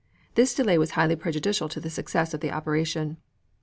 This delay was highly prejudicial to the success of the operation.